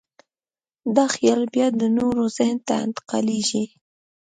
دا خیال بیا د نورو ذهن ته انتقالېږي.